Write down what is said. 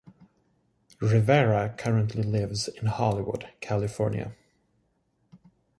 Rivera currently lives in Hollywood, California.